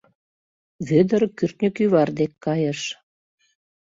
Вӧдыр кӱртньӧ кӱвар дек кайыш.